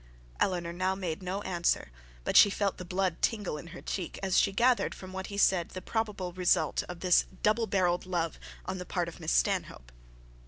Eleanor now made no answer, but she felt the blood tingle in her cheek as she gathered from what he said the probable result of this double barrelled love on the part of Miss Stanhope.